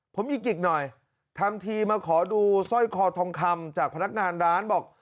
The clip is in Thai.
ผมอีกกิกหน่อยทำทีมาขอดูสร้อยคอทองคำจากพนักงานร้านบอก